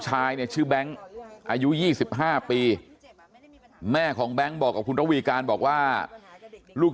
ชายเนี่ยชื่อแบงค์อายุ๒๕ปีแม่ของแบงค์บอกกับคุณระวีการบอกว่าลูก